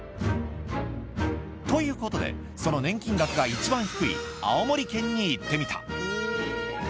ということで、その年金額が一番低い青森県に行ってみた。